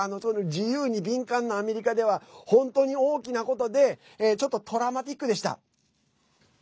自由に敏感なアメリカでは本当に大きなことでちょっとトラウマティックでした。